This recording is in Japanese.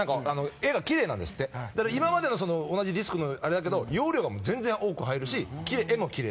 だから今までの同じディスクのあれだけど容量が全然多く入るし画もキレイ。